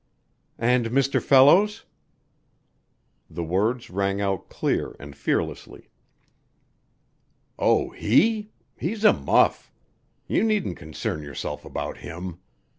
"And Mr. Fellows?" The words rang out clear and fearlessly. "Oh, he? He's a muff. You needn't concern yourself about him.